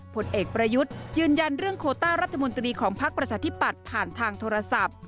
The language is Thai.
ผลเอกประยุทธ์ยืนยันเรื่องโคต้ารัฐมนตรีของพักประชาธิปัตย์ผ่านทางโทรศัพท์